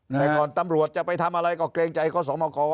แต่ก่อนตำรวจจะไปทำอะไรก็เกรงใจขอสมกร